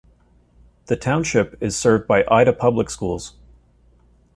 The township is served by Ida Public Schools.